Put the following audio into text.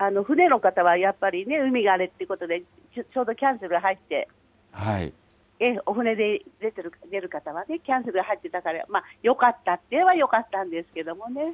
あと船の方はやっぱりね、海が荒れるということで、ちょうどキャンセルが入って、お船で出て見える方はキャンセル入って、よかったっていえばよかったんですけどね。